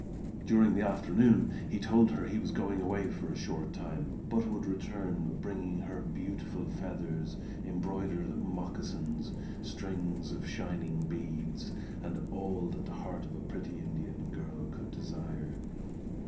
During the afternoon he told her he was going away for a short time, but would return bringing her beautiful feathers, embroidered moccasins, strings of shining beads, and all that the heart of a pretty Indian girl could desire.